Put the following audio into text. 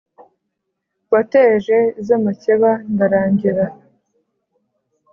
wateje iz’amakeba ndarangira.